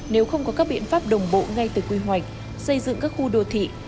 nếu không có các biện pháp đồng bộ ngay từ quy hoạch xây dựng các khu đô thị